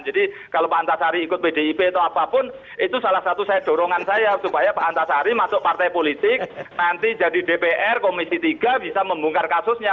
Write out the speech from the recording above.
jadi kalau pak antasari ikut bdip atau apapun itu salah satu dorongan saya supaya pak antasari masuk partai politik nanti jadi dpr komisi tiga bisa membungkar kasusnya